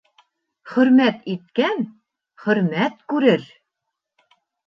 Хөрмәт иткән хөрмәт күрер.